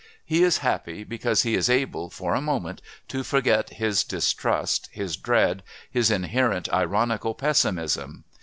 He is happy because he is able, for a moment, to forget his distrust, his dread, his inherent ironical pessimism.